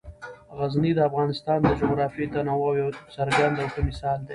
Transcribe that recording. غزني د افغانستان د جغرافیوي تنوع یو څرګند او ښه مثال دی.